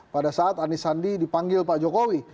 pada saat anies sandi dipanggil pak jokowi